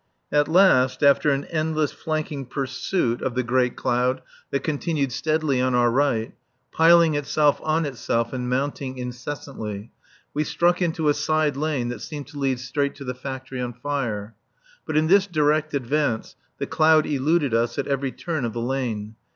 At last, after an endless flanking pursuit of the great cloud that continued steadily on our right, piling itself on itself and mounting incessantly, we struck into a side lane that seemed to lead straight to the factory on fire. But in this direct advance the cloud eluded us at every turn of the lane.